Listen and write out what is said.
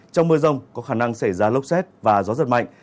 trong mưa rông có khả năng xảy ra lốc xoáy và gió rất mạnh